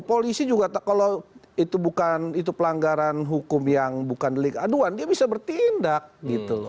polisi juga kalau itu bukan itu pelanggaran hukum yang bukan delik aduan dia bisa bertindak gitu loh